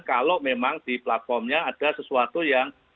kalau memang di platformnya ada sesuatu yang